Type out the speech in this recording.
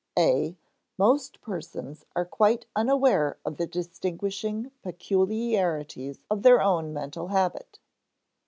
(a) Most persons are quite unaware of the distinguishing peculiarities of their own mental habit.